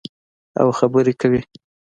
او خبرې کوي.